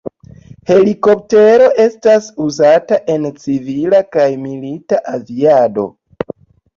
Helikoptero estas uzata en civila kaj milita aviado.